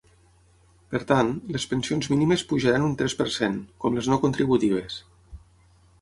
Per tant, les pensions mínimes pujaran un tres per cent, com les no contributives.